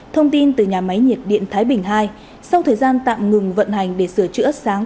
thông tin từ nhà máy nhiệt điện thái bình ii sau thời gian tạm ngừng vận hành để sửa chữa sáng